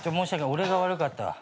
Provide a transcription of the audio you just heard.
俺が悪かったわ。